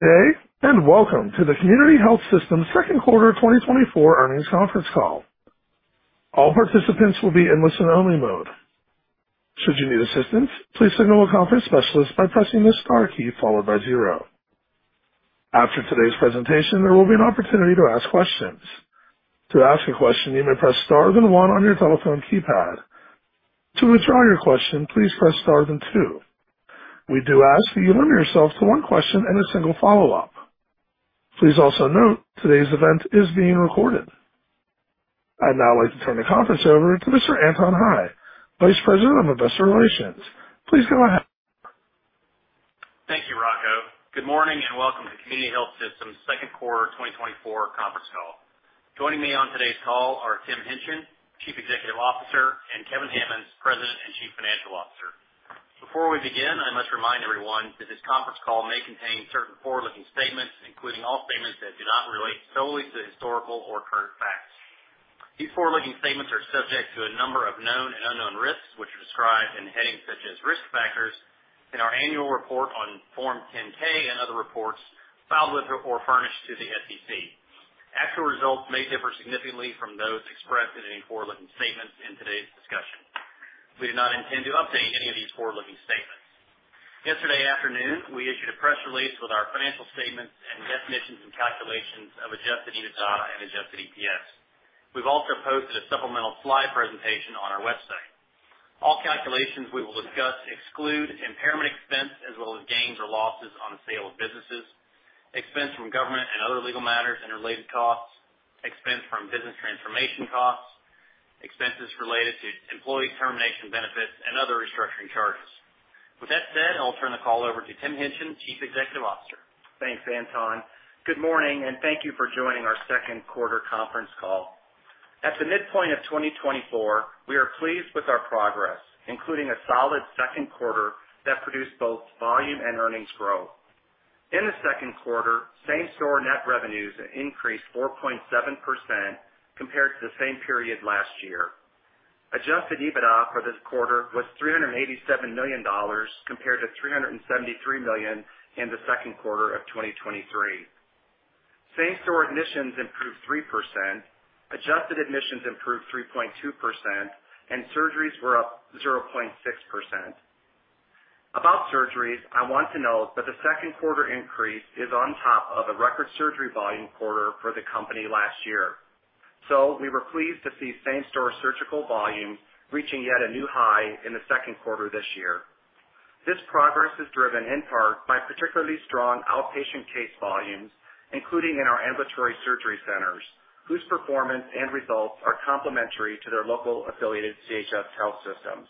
Hey, and welcome to the Community Health Systems Second Quarter 2024 Earnings Conference Call. All participants will be in listen-only mode. Should you need assistance, please signal a conference specialist by pressing the star key followed by zero. After today's presentation, there will be an opportunity to ask questions. To ask a question, you may press star then one on your telephone keypad. To withdraw your question, please press star then two. We do ask that you limit yourself to one question and a single follow-up. Please also note, today's event is being recorded. I'd now like to turn the conference over to Mr. Anton Hie, Vice President of Investor Relations. Please go ahead. Thank you, Rocco. Good morning, and welcome to Community Health Systems second quarter 2024 conference call. Joining me on today's call are Tim Hingtgen, Chief Executive Officer, and Kevin Hammons, President and Chief Financial Officer. Before we begin, I must remind everyone that this conference call may contain certain forward-looking statements, including all statements that do not relate solely to historical or current facts. These forward-looking statements are subject to a number of known and unknown risks, which are described in headings such as Risk Factors in our annual report on Form 10-K and other reports filed with or furnished to the SEC. Actual results may differ significantly from those expressed in any forward-looking statements in today's discussion. We do not intend to update any of these forward-looking statements. Yesterday afternoon, we issued a press release with our financial statements and definitions and calculations of adjusted EBITDA and adjusted EPS. We've also posted a supplemental slide presentation on our website. All calculations we will discuss exclude impairment expense, as well as gains or losses on the sale of businesses, expense from government and other legal matters and related costs, expense from business transformation costs, expenses related to employee termination benefits, and other restructuring charges. With that said, I'll turn the call over to Tim Hingtgen, Chief Executive Officer. Thanks, Anton. Good morning, and thank you for joining our second quarter conference call. At the midpoint of 2024, we are pleased with our progress, including a solid second quarter that produced both volume and earnings growth. In the second quarter, same-store net revenues increased 4.7% compared to the same period last year. Adjusted EBITDA for this quarter was $387 million, compared to $373 million in the second quarter of 2023. Same-store admissions improved 3%, adjusted admissions improved 3.2%, and surgeries were up 0.6%. About surgeries, I want to note that the second quarter increase is on top of a record surgery volume quarter for the company last year. So we were pleased to see same-store surgical volume reaching yet a new high in the second quarter this year. This progress is driven in part by particularly strong outpatient case volumes, including in our ambulatory surgery centers, whose performance and results are complementary to their local affiliated CHS health systems.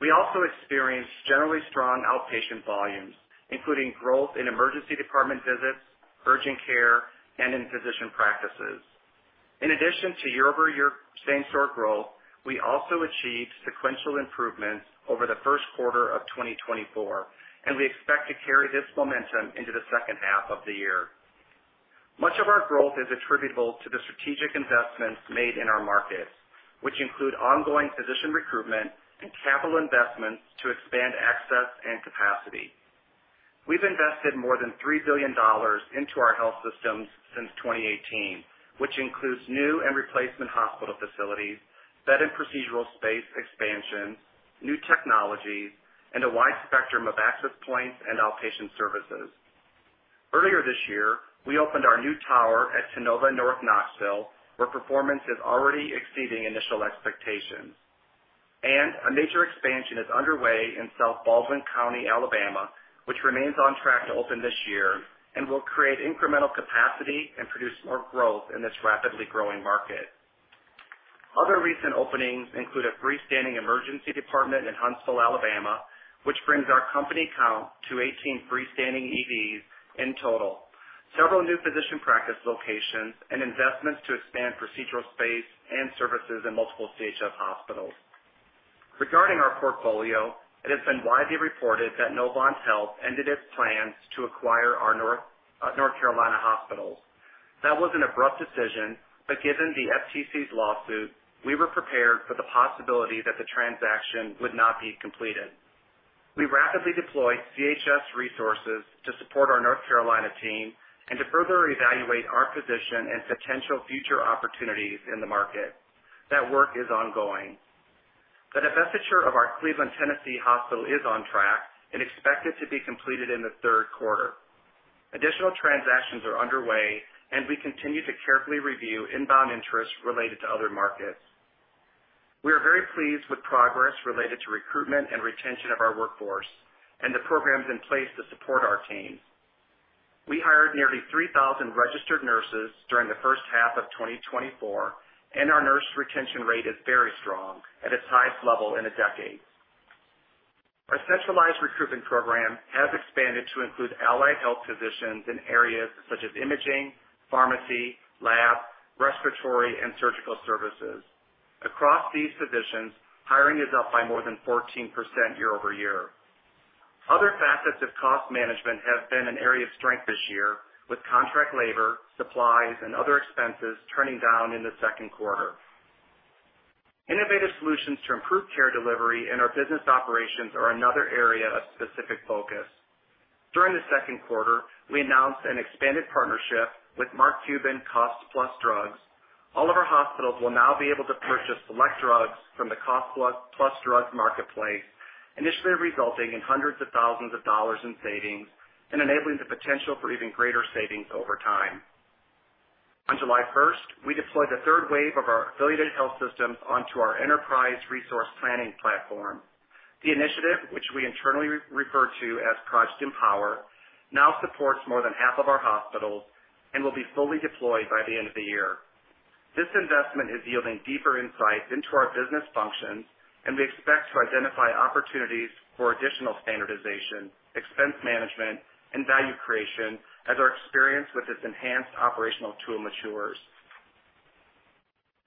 We also experienced generally strong outpatient volumes, including growth in emergency department visits, urgent care, and in physician practices. In addition to year-over-year same-store growth, we also achieved sequential improvements over the first quarter of 2024, and we expect to carry this momentum into the second half of the year. Much of our growth is attributable to the strategic investments made in our markets, which include ongoing physician recruitment and capital investments to expand access and capacity. We've invested more than $3 billion into our health systems since 2018, which includes new and replacement hospital facilities, bed and procedural space expansions, new technologies, and a wide spectrum of access points and outpatient services. Earlier this year, we opened our new tower at Tennova North Knoxville, where performance is already exceeding initial expectations. A major expansion is underway in South Baldwin County, Alabama, which remains on track to open this year and will create incremental capacity and produce more growth in this rapidly growing market. Other recent openings include a freestanding emergency department in Huntsville, Alabama, which brings our company count to 18 freestanding EDs in total, several new physician practice locations, and investments to expand procedural space and services in multiple CHS hospitals. Regarding our portfolio, it has been widely reported that Novant Health ended its plans to acquire our North Carolina hospitals. That was an abrupt decision, but given the FTC's lawsuit, we were prepared for the possibility that the transaction would not be completed. We rapidly deployed CHS resources to support our North Carolina team and to further evaluate our position and potential future opportunities in the market. That work is ongoing. The divestiture of our Cleveland, Tennessee hospital is on track and expected to be completed in the third quarter. Additional transactions are underway, and we continue to carefully review inbound interest related to other markets. We are very pleased with progress related to recruitment and retention of our workforce and the programs in place to support our teams. We hired nearly 3,000 registered nurses during the first half of 2024, and our nurse retention rate is very strong, at its highest level in a decade. Our centralized recruitment program has expanded to include allied health physicians in areas such as imaging, pharmacy, lab, respiratory, and surgical services. Across these positions, hiring is up by more than 14% year-over-year. Other facets of cost management have been an area of strength this year, with contract labor, supplies, and other expenses turning down in the second quarter. Innovative solutions to improve care delivery and our business operations are another area of specific focus. During the second quarter, we announced an expanded partnership with Mark Cuban Cost Plus Drugs. All of our hospitals will now be able to purchase select drugs from the Cost Plus Drugs marketplace, initially resulting in $hundreds of thousands in savings and enabling the potential for even greater savings over time. On July first, we deployed the third wave of our affiliated health systems onto our enterprise resource planning platform. The initiative, which we internally refer to as Project Empower, now supports more than half of our hospitals and will be fully deployed by the end of the year. This investment is yielding deeper insights into our business functions, and we expect to identify opportunities for additional standardization, expense management, and value creation as our experience with this enhanced operational tool matures.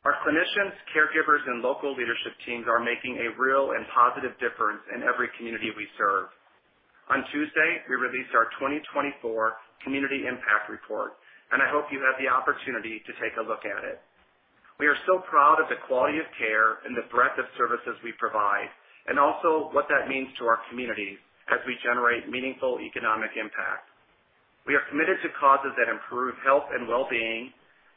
Our clinicians, caregivers, and local leadership teams are making a real and positive difference in every community we serve. On Tuesday, we released our 2024 Community Impact Report, and I hope you had the opportunity to take a look at it. We are so proud of the quality of care and the breadth of services we provide, and also what that means to our communities as we generate meaningful economic impact. We are committed to causes that improve health and well-being,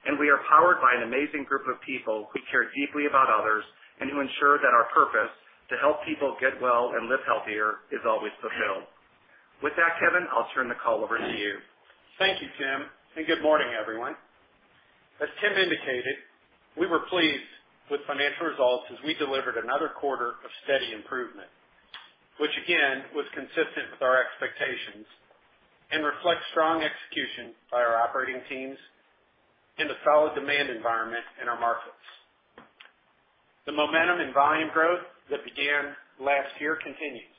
and we are powered by an amazing group of people who care deeply about others and who ensure that our purpose, to help people get well and live healthier, is always fulfilled. With that, Kevin, I'll turn the call over to you. Thank you, Tim, and good morning, everyone. As Tim indicated, we were pleased with financial results as we delivered another quarter of steady improvement, which again, was consistent with our expectations and reflects strong execution by our operating teams in the solid demand environment in our markets. The momentum in volume growth that began last year continues,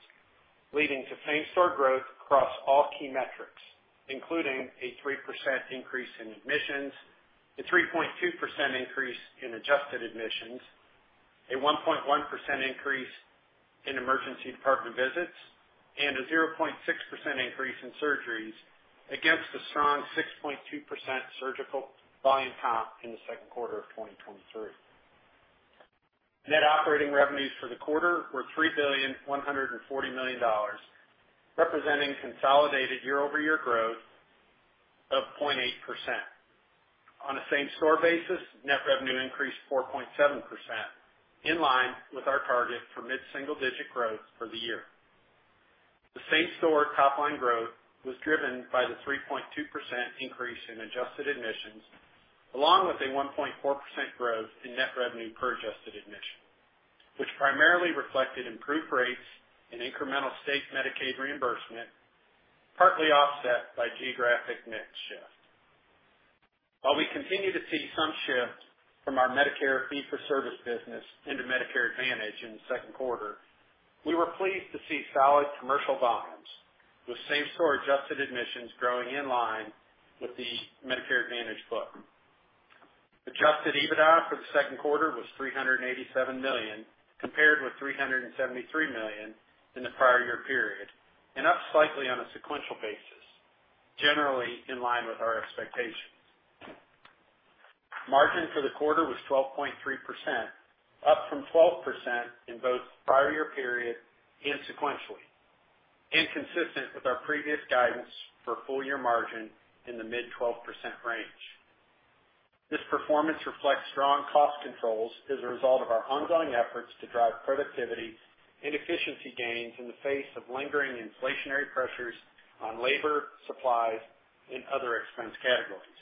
leading to same-store growth across all key metrics, including a 3% increase in admissions, a 3.2% increase in adjusted admissions, a 1.1% increase in emergency department visits, and a 0.6% increase in surgeries against the strong 6.2% surgical volume comp in the second quarter of 2023. Net operating revenues for the quarter were $3.14 billion, representing consolidated year-over-year growth of 0.8%. On a same-store basis, net revenue increased 4.7%, in line with our target for mid-single digit growth for the year. The same-store top line growth was driven by the 3.2% increase in adjusted admissions, along with a 1.4% growth in net revenue per adjusted admission, which primarily reflected improved rates and incremental state Medicaid reimbursement, partly offset by geographic mix shift. While we continue to see some shifts from our Medicare fee-for-service business into Medicare Advantage in the second quarter, we were pleased to see solid commercial volumes, with same-store adjusted admissions growing in line with the Medicare Advantage book. Adjusted EBITDA for the second quarter was $387 million, compared with $373 million in the prior year period, and up slightly on a sequential basis, generally in line with our expectations. Margin for the quarter was 12.3%, up from 12% in both the prior year period and sequentially, and consistent with our previous guidance for full year margin in the mid-12% range. This performance reflects strong cost controls as a result of our ongoing efforts to drive productivity and efficiency gains in the face of lingering inflationary pressures on labor, supplies, and other expense categories.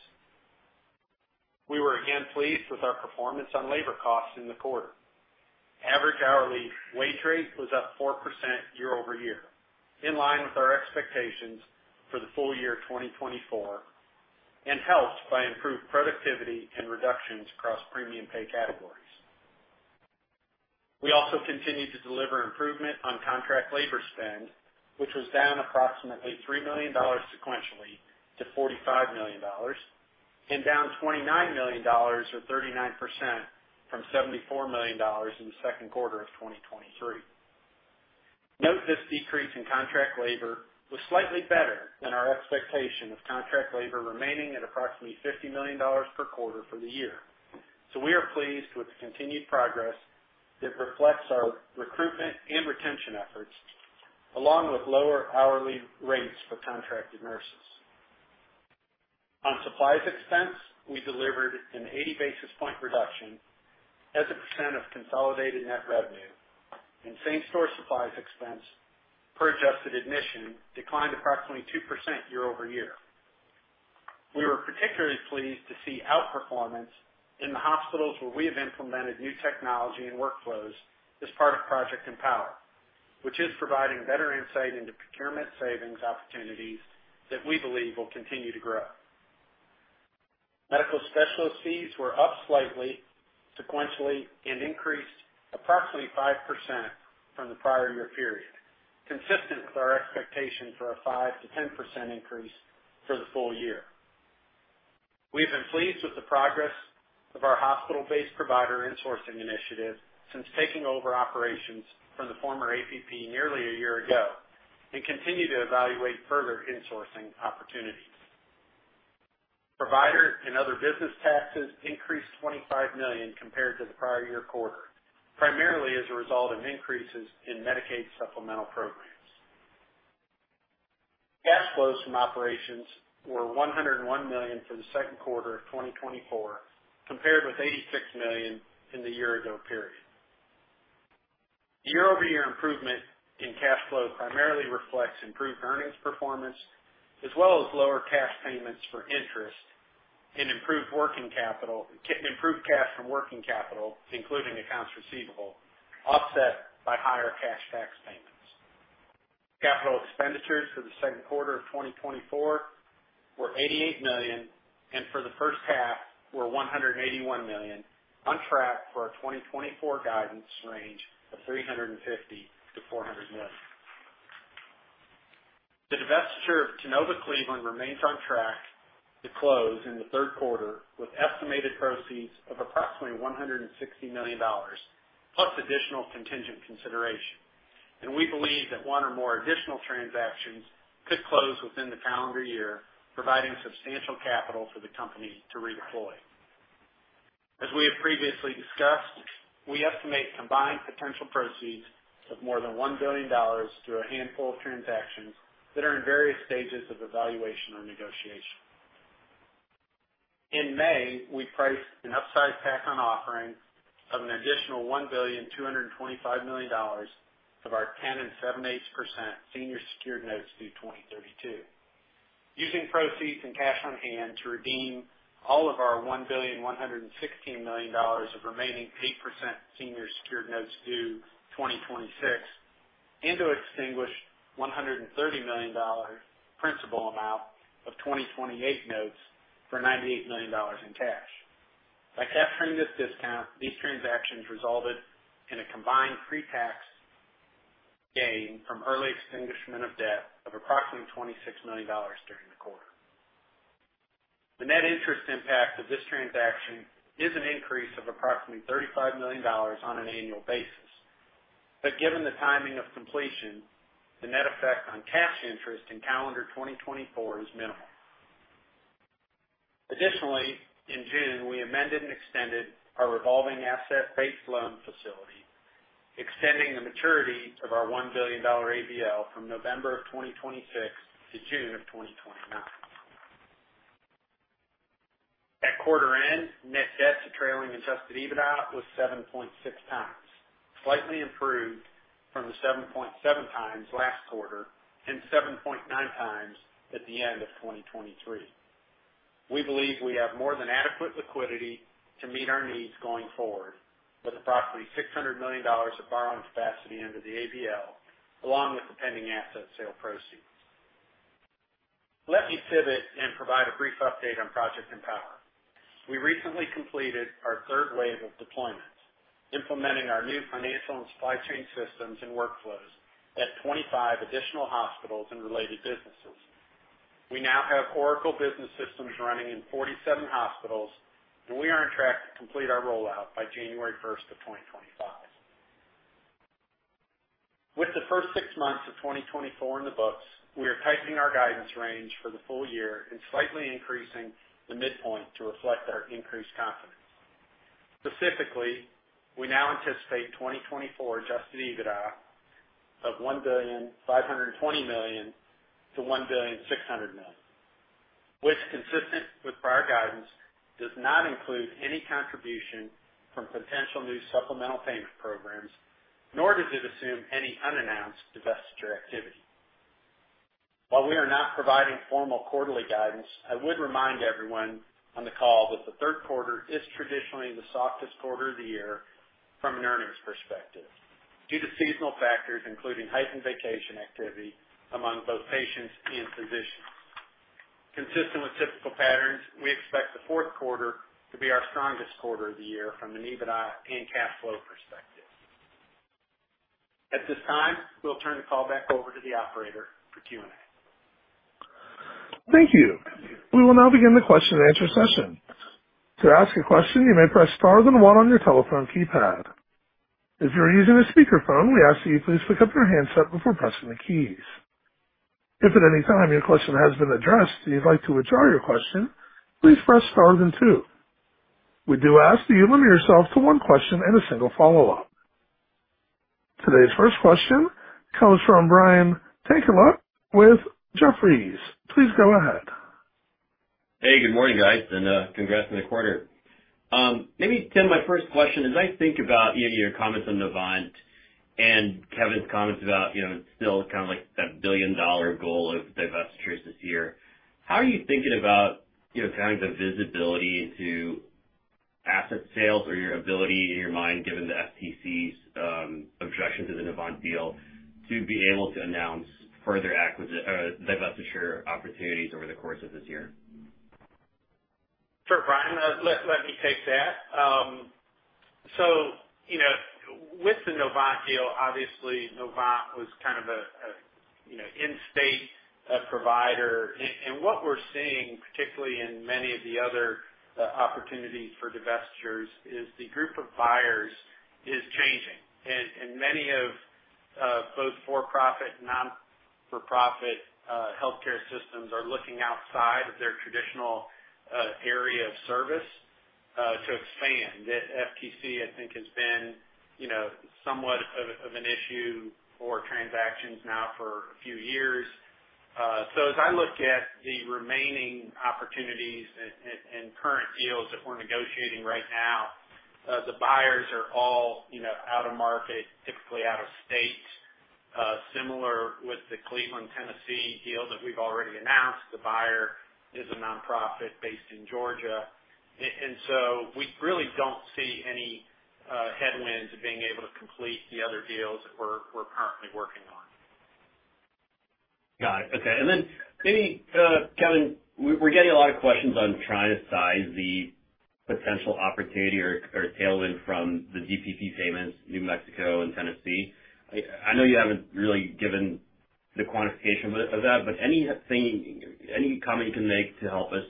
We were again pleased with our performance on labor costs in the quarter. Average hourly wage rate was up 4% year over year, in line with our expectations for the full year 2024, and helped by improved productivity and reductions across premium pay categories. We also continued to deliver improvement on contract labor spend, which was down approximately $30 million sequentially to $45 million, and down $29 million, or 39%, from $74 million in the second quarter of 2023. Note, this decrease in contract labor was slightly better than our expectation of contract labor remaining at approximately $50 million per quarter for the year. So we are pleased with the continued progress that reflects our recruitment and retention efforts, along with lower hourly rates for contracted nurses. On supplies expense, we delivered an 80 basis point reduction as a percent of consolidated net revenue, and same-store supplies expense per adjusted admission declined approximately 2% year-over-year. We were particularly pleased to see outperformance in the hospitals where we have implemented new technology and workflows as part of Project Empower, which is providing better insight into procurement savings opportunities that we believe will continue to grow. Medical specialist fees were up slightly, sequentially, and increased approximately 5% from the prior year period, consistent with our expectation for a 5%-10% increase for the full year. We've been pleased with the progress of our hospital-based provider insourcing initiative since taking over operations from the former APP nearly a year ago and continue to evaluate further insourcing opportunities. Provider and other business taxes increased $25 million compared to the prior year quarter, primarily as a result of increases in Medicaid supplemental programs. Cash flows from operations were $101 million for the second quarter of 2024, compared with $86 million in the year-ago period. The year-over-year improvement in cash flow primarily reflects improved earnings performance, as well as lower cash payments for interest and improved working capital, improved cash from working capital, including accounts receivable, offset by higher cash tax payments. Capital expenditures for the second quarter of 2024 were $88 million, and for the first half were $181 million, on track for our 2024 guidance range of $350 million-$400 million. The divestiture of Tennova Cleveland remains on track to close in the third quarter, with estimated proceeds of approximately $160 million, plus additional contingent consideration. We believe that one or more additional transactions could close within the calendar year, providing substantial capital for the company to redeploy. As we have previously discussed, we estimate combined potential proceeds of more than $1 billion through a handful of transactions that are in various stages of evaluation or negotiation. In May, we priced an upsized tack-on offering of an additional $1.225 billion of our 10 7/8% senior secured notes due 2032, using proceeds and cash on hand to redeem all of our $1.116 billion of remaining 8% senior secured notes due 2026, and to extinguish $130 million principal amount of 2028 notes for $98 million in cash. By capturing this discount, these transactions resulted in a combined pre-tax gain from early extinguishment of debt of approximately $26 million during the quarter. The net interest impact of this transaction is an increase of approximately $35 million on an annual basis, but given the timing of completion, the net effect on cash interest in calendar 2024 is minimal. Additionally, in June, we amended and extended our revolving asset-based loan facility, extending the maturity of our $1 billion ABL from November of 2026 to June of 2029. At quarter end, net debt to trailing Adjusted EBITDA was 7.6 times, slightly improved from the 7.7 times last quarter and 7.9 times at the end of 2023. We believe we have more than adequate liquidity to meet our needs going forward, with approximately $600 million of borrowing capacity under the ABL, along with the pending asset sale proceeds. Let me pivot and provide a brief update on Project Empower. We recently completed our third wave of deployments, implementing our new financial and supply chain systems and workflows at 25 additional hospitals and related businesses. We now have Oracle business systems running in 47 hospitals, and we are on track to complete our rollout by January first of 2025. With the first six months of 2024 in the books, we are tightening our guidance range for the full year and slightly increasing the midpoint to reflect our increased confidence. Specifically, we now anticipate 2024 Adjusted EBITDA of $1.52 billion-$1.6 billion, which, consistent with prior guidance, does not include any contribution from potential new supplemental payment programs, nor does it assume any unannounced divestiture activity. While we are not providing formal quarterly guidance, I would remind everyone on the call that the third quarter is traditionally the softest quarter of the year from an earnings perspective due to seasonal factors, including heightened vacation activity among both patients and physicians. Consistent with typical patterns, we expect the fourth quarter to be our strongest quarter of the year from an EBITDA and cash flow perspective. At this time, we'll turn the call back over to the operator for Q&A. Thank you. We will now begin the question and answer session. To ask a question, you may press star then one on your telephone keypad. If you are using a speakerphone, we ask that you please pick up your handset before pressing the keys. If at any time your question has been addressed and you'd like to withdraw your question, please press star then two. We do ask that you limit yourself to one question and a single follow-up. Today's first question comes from Brian Tanquilut with Jefferies. Please go ahead. Hey, good morning, guys, and congrats on the quarter. Maybe, Tim, my first question, as I think about, you know, your comments on Novant and Kevin's comments about, you know, still kind of like that billion-dollar goal of divestitures this year, how are you thinking about, you know, kind of the visibility into asset sales or your ability in your mind, given the FTC's objection to the Novant deal, to be able to announce further divestiture opportunities over the course of this year? Sure, Brian, let me take that. So, you know, with the Novant deal, obviously Novant was kind of a you know, in-state provider. What we're seeing, particularly in many of the other opportunities for divestitures, is the group of buyers is changing. Many of both for-profit, non-for-profit healthcare systems are looking outside of their traditional area of service to expand. The FTC, I think, has been, you know, somewhat of an issue for transactions now for a few years. As I look at the remaining opportunities and current deals that we're negotiating right now, the buyers are all, you know, out of market, typically out of state. Similar with the Cleveland, Tennessee deal that we've already announced, the buyer is a nonprofit based in Georgia. And so we really don't see any headwinds of being able to complete the other deals that we're currently working on. Got it. Okay, and then any, Kevin, we're getting a lot of questions on trying to size the potential opportunity or tailwind from the DPP payments, New Mexico and Tennessee. I know you haven't really given the quantification of that, but any comment you can make to help us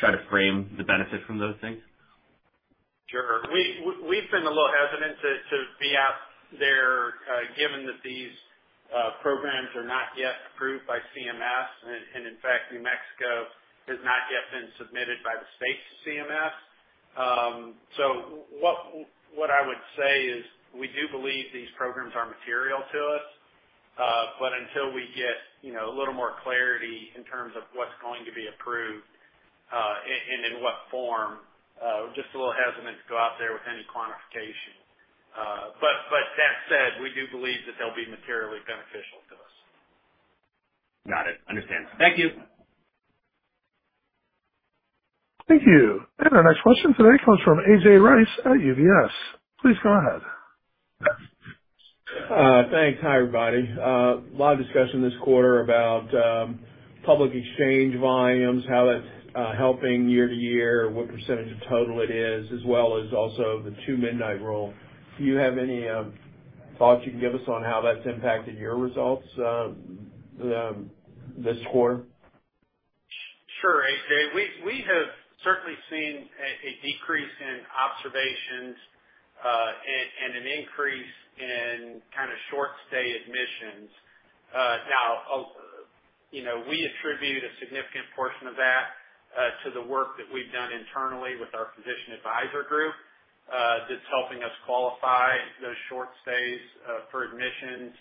try to frame the benefit from those things? Sure. We've been a little hesitant to be out there, given that these programs are not yet approved by CMS, and in fact, New Mexico has not yet been submitted by the state's CMS. So what I would say is, we do believe these programs are material to us, but until we get, you know, a little more clarity in terms of what's going to be approved, and in what form, we're just a little hesitant to go out there with any quantification. But that said, we do believe that they'll be materially beneficial to us. Got it. Understand. Thank you. Thank you. Our next question today comes from A.J. Rice at UBS. Please go ahead. Thanks. Hi, everybody. A lot of discussion this quarter about public exchange volumes, how that's helping year to year, what percentage of total it is, as well as also the Two-Midnight Rule. Do you have any thoughts you can give us on how that's impacted your results, this quarter? Sure, A.J. We have certainly seen a decrease in observations and an increase in kind of short stay admissions. Now, you know, we attribute a significant portion of that to the work that we've done internally with our physician advisor group that's helping us qualify those short stays for admissions.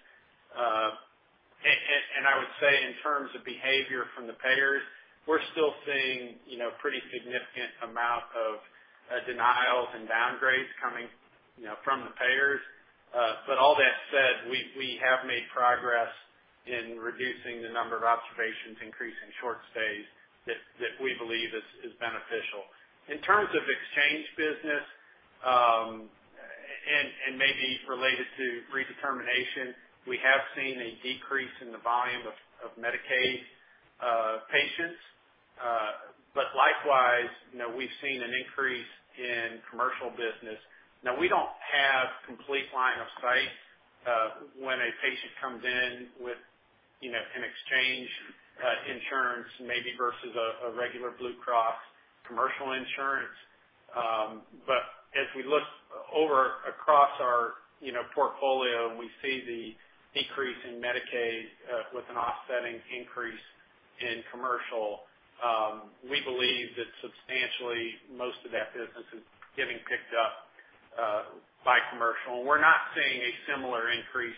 And I would say in terms of behavior from the payers, we're still seeing, you know, pretty significant amount of denials and downgrades coming, you know, from the payers. But all that said, we have made progress in reducing the number of observations, increasing short stays that we believe is beneficial. In terms of exchange business and maybe related to redetermination, we have seen a decrease in the volume of Medicaid patients. But likewise, you know, we've seen an increase in commercial business. Now, we don't have complete line of sight, when a patient comes in with, you know, an exchange, insurance, maybe versus a regular Blue Cross commercial insurance. But as we look over across our, you know, portfolio, and we see the decrease in Medicaid, with an offsetting increase in commercial, we believe that substantially most of that business is getting picked up, by commercial. We're not seeing a similar increase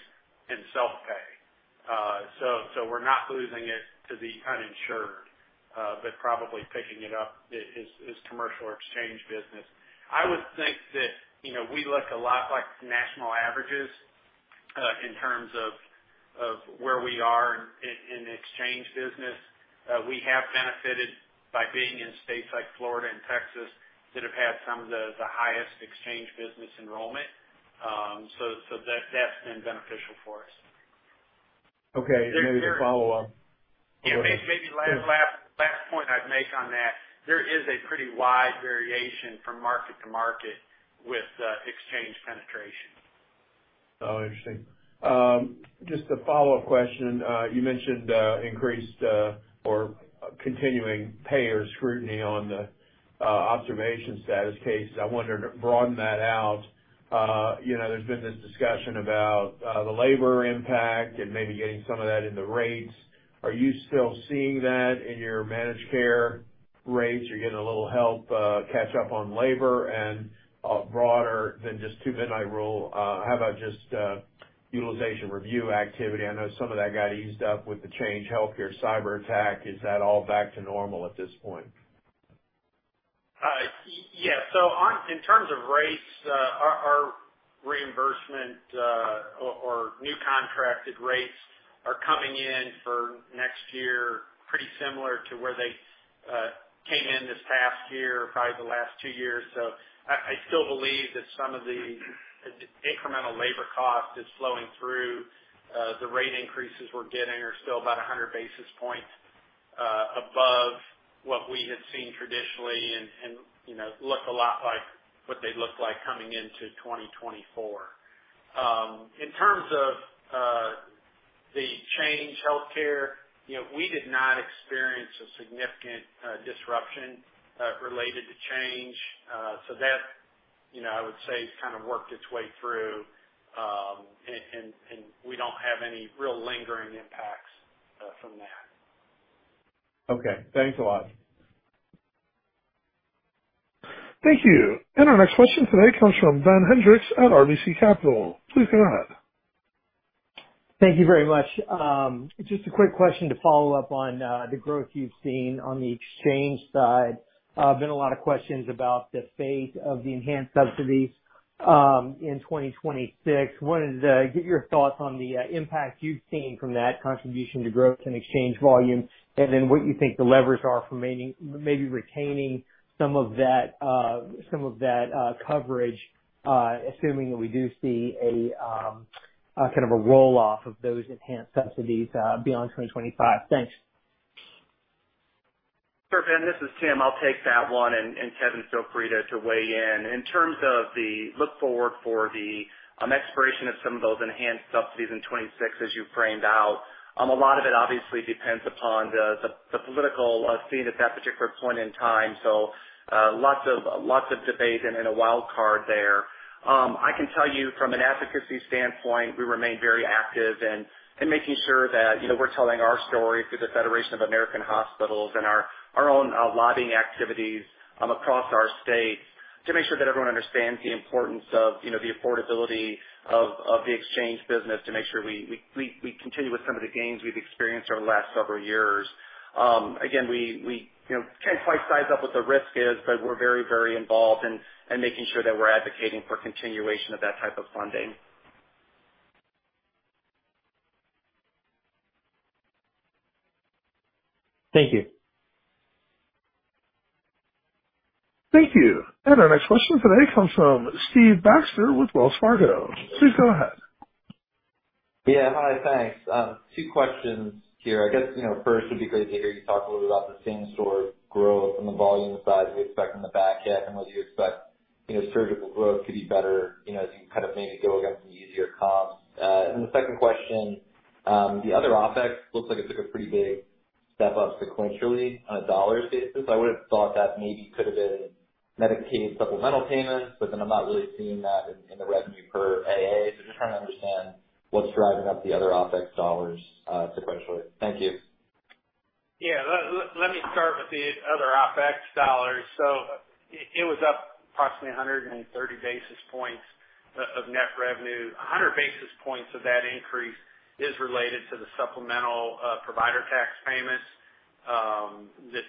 in self-pay. So, we're not losing it to the uninsured, but probably picking it up is commercial or exchange business. I would think that, you know, we look a lot like national averages, in terms of, of where we are in, in the exchange business. We have benefited by being in states like Florida and Texas, that have had some of the highest exchange business enrollment. So, that's been beneficial for us. Okay. Maybe to follow up- Maybe last point I'd make on that, there is a pretty wide variation from market to market with exchange penetration. Oh, interesting. Just a follow-up question. You mentioned increased or continuing payer scrutiny on the observation status case. I wonder, to broaden that out, you know, there's been this discussion about the labor impact and maybe getting some of that in the rates. Are you still seeing that in your managed care rates? You're getting a little help catch up on labor and broader than just Two-Midnight Rule, how about just utilization review activity? I know some of that got eased up with the Change Healthcare cyberattack. Is that all back to normal at this point? Yes, so in terms of rates, our reimbursement or new contracted rates are coming in for next year, pretty similar to where they came in this past year, probably the last two years. So I still believe that some of the incremental labor cost is flowing through. The rate increases we're getting are still about 100 basis points above what we had seen traditionally and, you know, look a lot like what they looked like coming into 2024. In terms of Change Healthcare, you know, we did not experience a significant disruption related to Change. So that, you know, I would say, has kind of worked its way through, and we don't have any real lingering impacts from that. Okay. Thanks a lot. Thank you. Our next question today comes from Ben Hendrix at RBC Capital. Please go ahead. Thank you very much. Just a quick question to follow up on the growth you've seen on the exchange side. Been a lot of questions about the fate of the enhanced subsidies in 2026. Wanted to get your thoughts on the impact you've seen from that contribution to growth and exchange volume, and then what you think the levers are for maintaining, maybe retaining some of that coverage, assuming that we do see a kind of a roll off of those enhanced subsidies beyond 2025. Thanks. Sure Dan, this is Tim. I'll take that one, and Kevin, feel free to weigh in. In terms of the look forward for the expiration of some of those enhanced subsidies in 2026, as you framed out, a lot of it obviously depends upon the political scene at that particular point in time. So, lots of debate and a wild card there. I can tell you from an advocacy standpoint, we remain very active in making sure that, you know, we're telling our story through the Federation of American Hospitals and our own lobbying activities, across our state, to make sure that everyone understands the importance of, you know, the affordability of the exchange business, to make sure we continue with some of the gains we've experienced over the last several years. Again, we, you know, can't quite size up what the risk is, but we're very, very involved in making sure that we're advocating for continuation of that type of funding. Thank you. Thank you. Our next question today comes from Steve Baxter with Wells Fargo. Please go ahead. Yeah. Hi, thanks. Two questions here. I guess, you know, first, it'd be great to hear you talk a little bit about the same-store growth and the volume and size we expect in the back half, and whether you expect, you know, surgical growth to be better, you know, as you kind of maybe go against the easier comps. And the second question, the other OpEx looks like it took a pretty big step up sequentially on a dollar basis. I would've thought that maybe could have been Medicaid supplemental payments, but then I'm not really seeing that in the revenue per AA. So just trying to understand what's driving up the other OpEx dollars, sequentially. Thank you. Yeah. Let me start with the other OpEx dollars. So it was up approximately 130 basis points of net revenue. 100 basis points of that increase is related to the supplemental provider tax payments that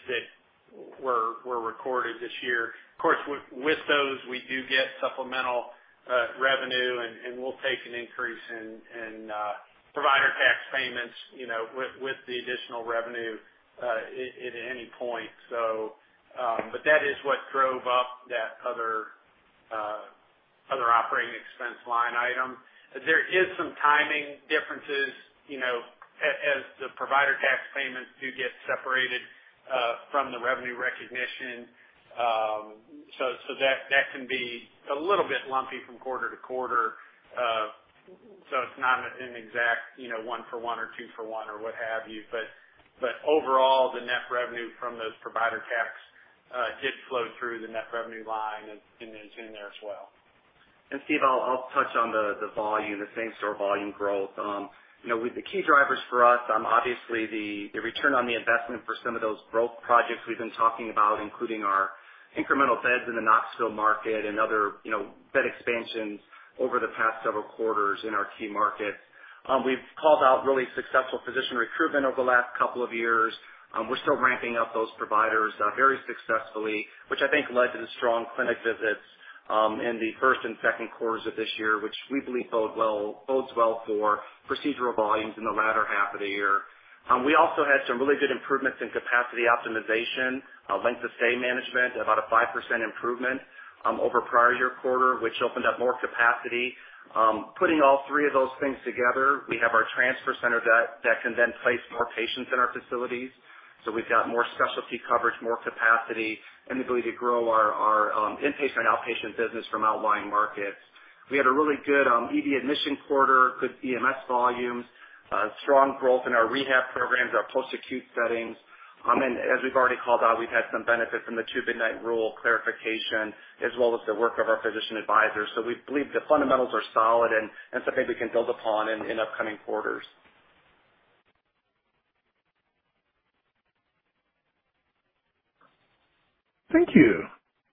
were recorded this year. Of course, with those, we do get supplemental revenue, and we'll take an increase in provider tax payments, you know, with the additional revenue at any point. So, but that is what drove up that other operating expense line item. There is some timing differences, you know, as the provider tax payments do get separated from the revenue recognition. So that can be a little bit lumpy from quarter to quarter. So it's not an exact, you know, one for one or two for one or what have you, but, but overall, the net revenue from those provider tax did flow through the net revenue line and is in there as well. Steve, I'll touch on the volume, the same store volume growth. You know, with the key drivers for us, obviously the return on the investment for some of those growth projects we've been talking about, including our incremental beds in the Knoxville market and other, you know, bed expansions over the past several quarters in our key markets. We've called out really successful physician recruitment over the last couple of years. We're still ramping up those providers very successfully, which I think led to the strong clinic visits in the first and second quarters of this year, which we believe bodes well for procedural volumes in the latter half of the year. We also had some really good improvements in capacity optimization, length of stay management, about a 5% improvement over prior-year quarter, which opened up more capacity. Putting all three of those things together, we have our transfer center that can then place more patients in our facilities. So we've got more specialty coverage, more capacity, and the ability to grow our inpatient and outpatient business from outlying markets. We had a really good ED admission quarter, good EMS volumes, strong growth in our rehab programs, our post-acute settings. And as we've already called out, we've had some benefit from the Two-Midnight Rule clarification, as well as the work of our physician advisors. So we believe the fundamentals are solid and something we can build upon in upcoming quarters. Thank you.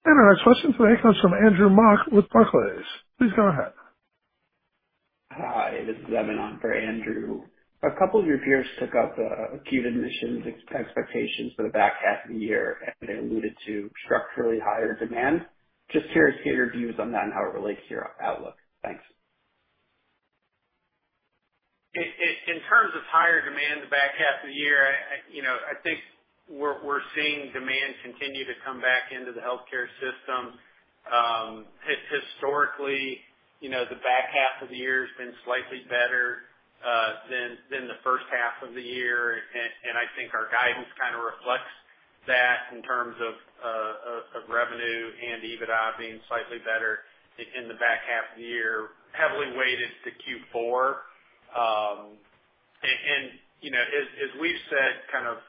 Our next question today comes from Andrew Mok with Barclays. Please go ahead. Hi, this is Evan on for Andrew. A couple of your peers took up the acute admissions expectations for the back half of the year, and they alluded to structurally higher demand. Just curious to get your views on that and how it relates to your outlook. Thanks. In terms of higher demand in the back half of the year, you know, I think we're seeing demand continue to come back into the healthcare system. Historically, you know, the back half of the year has been slightly better than the first half of the year, and I think our guidance kind of reflects that in terms of revenue and EBITDA being slightly better in the back half of the year, heavily weighted to Q4. And you know, as we've said kind of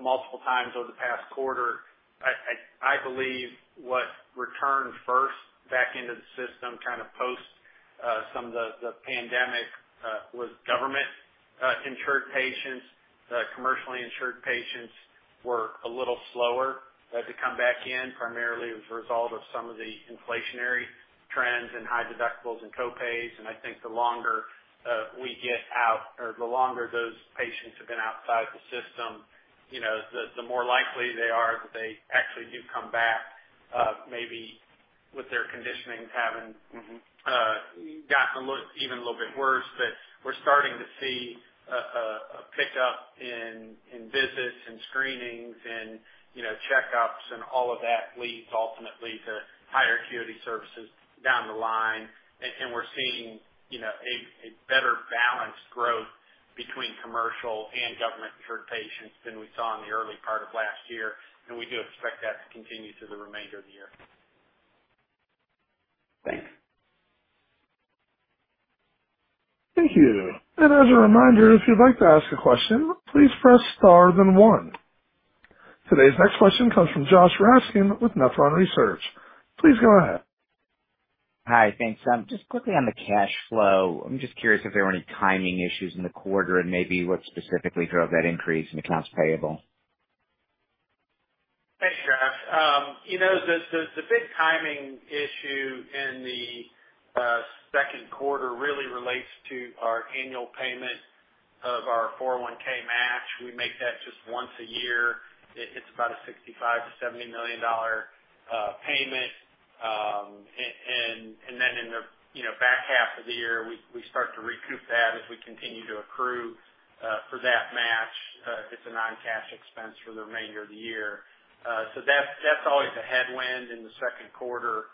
multiple times over the past quarter, I believe what returned first back into the system, kind of post some of the pandemic, was government insured patients. Commercially insured patients were a little slower to come back in, primarily as a result of some of the inflationary trends and high deductibles and copays. I think the longer we get out or the longer those patients have been outside the system, you know, the more likely they are that they actually do come back, maybe with their conditions having- Mm-hmm. gotten a little, even a little bit worse. But we're starting to see a pickup in visits and screenings and, you know, checkups, and all of that leads ultimately to higher acuity services down the line. And we're seeing, you know, a better balanced growth between commercial and government-insured patients than we saw in the early part of last year, and we do expect that to continue through the remainder of the year. Thanks. Thank you. And as a reminder, if you'd like to ask a question, please press star then one. Today's next question comes from Josh Raskin with Nephron Research. Please go ahead. Hi, thanks. Just quickly on the cash flow. I'm just curious if there were any timing issues in the quarter and maybe what specifically drove that increase in accounts payable? Thanks, Josh. You know, the big timing issue in the second quarter really relates to our annual payment of our 401 match. We make that just once a year. It's about a $65 million-$70 million payment. And then in the back half of the year, we start to recoup that as we continue to accrue for that match. It's a non-cash expense for the remainder of the year. So that's always a headwind in the second quarter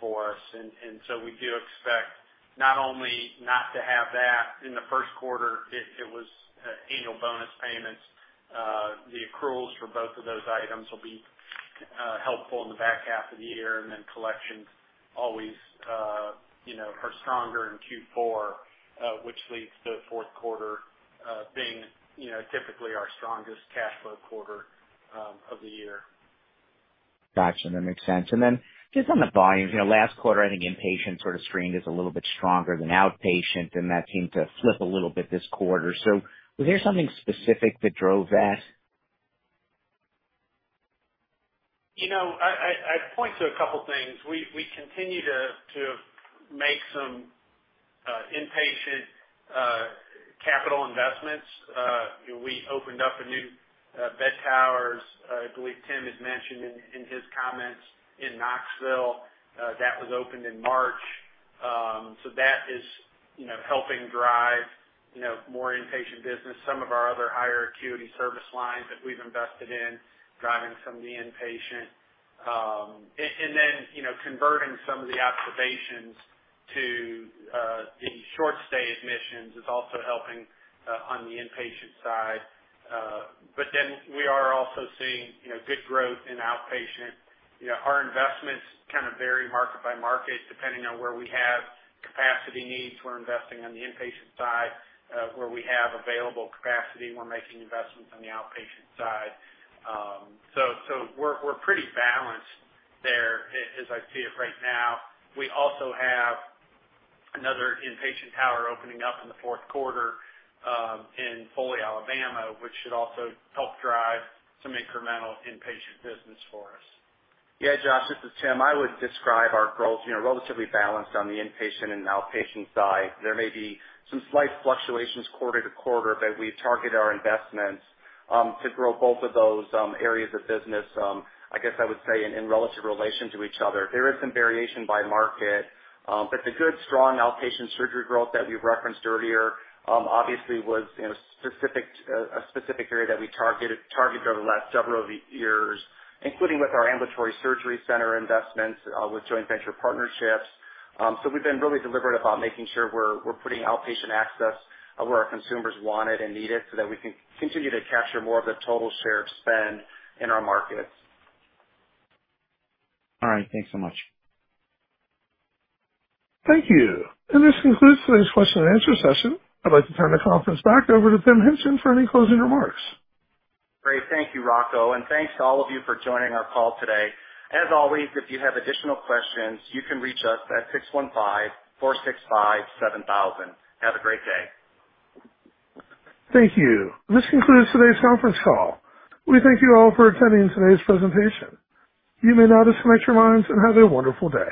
for us. And so we do expect not only not to have that in the first quarter, it was annual bonus payments. The accruals for both of those items will be helpful in the back half of the year, and then collections always, you know, are stronger in Q4, which leads to fourth quarter being, you know, typically our strongest cash flow quarter of the year. Gotcha, that makes sense. Then just on the volumes, you know, last quarter, I think inpatient sort of trended as a little bit stronger than outpatient, and that seemed to flip a little bit this quarter. Was there something specific that drove that? You know, I'd point to a couple things. We continue to make some inpatient capital investments. We opened up a new bed towers. I believe Tim has mentioned in his comments in Knoxville. That was opened in March. So that is, you know, helping drive, you know, more inpatient business. Some of our other higher acuity service lines that we've invested in, driving some of the inpatient. And then, you know, converting some of the observations to the short stay admissions is also helping on the inpatient side. But then we are also seeing, you know, good growth in outpatient. You know, our investments kind of vary market by market, depending on where we have capacity needs. We're investing on the inpatient side. Where we have available capacity, we're making investments on the outpatient side. So we're pretty balanced there as I see it right now. We also have another inpatient tower opening up in the fourth quarter, in Foley, Alabama, which should also help drive some incremental inpatient business for us. Yeah, Josh, this is Tim. I would describe our growth, you know, relatively balanced on the inpatient and outpatient side. There may be some slight fluctuations quarter to quarter, but we target our investments to grow both of those areas of business. I guess I would say in relative relation to each other. There is some variation by market, but the good, strong outpatient surgery growth that we've referenced earlier obviously was, you know, a specific area that we targeted over the last several years, including with our ambulatory surgery center investments with joint venture partnerships. So we've been really deliberate about making sure we're putting outpatient access where our consumers want it and need it, so that we can continue to capture more of the total share of spend in our markets. All right. Thanks so much. Thank you. This concludes today's question and answer session. I'd like to turn the conference back over to Tim Hingtgen for any closing remarks. Great. Thank you, Rocco, and thanks to all of you for joining our call today. As always, if you have additional questions, you can reach us at 615-465-7000. Have a great day. Thank you. This concludes today's conference call. We thank you all for attending today's presentation. You may now disconnect your lines and have a wonderful day.